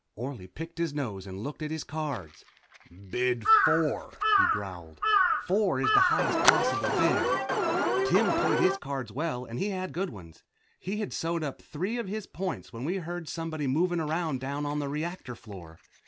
Orley picked his nose and looked at his cards, "Bid four," he growled. Four is the highest possible bid. Tim played his cards well and he had good ones. He had sewed up three of his points when we heard somebody moving around down on the reactor floor.